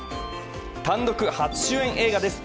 単独初主演映画です。